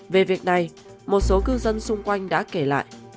về việc này một số cư dân xung quanh đã kể lại